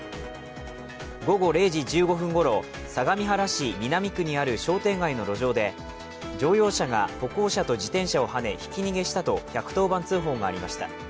午後０時１５分ごろ、相模原市南区にある商店街の路上で、乗用車が歩行者と自転車をはねひき逃げしたと１１０番通報がありました。